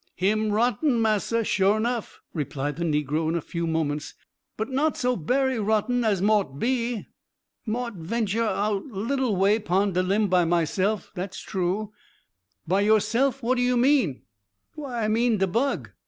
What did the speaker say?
"Him rotten, massa, sure nuff," replied the negro in a few moments, "but not so berry rotten as mought be. Mought venture our leetle way pon de limb by myself, dat's true." "By yourself! what do you mean?" "Why, I mean de bug.